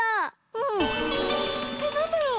うん。えっなんだろう？